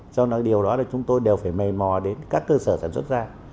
sau đó điều đó là chúng tôi đều phải mềm mò đến các cơ sở sản xuất da